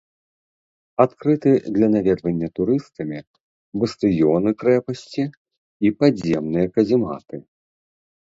Адкрыты для наведвання турыстамі бастыёны крэпасці і падземныя казематы.